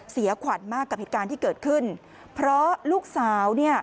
เสียขวัญมากกับเหตุการณ์ที่เกิดขึ้นเพราะลูกสาวเนี่ย